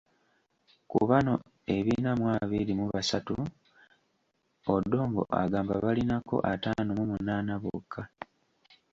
Ku bano ebina mu abiri mu basatu, Odongo agamba balinako ataano mu munaana bokka.